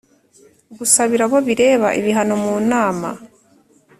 Gusabira abo bireba ibihano mu nama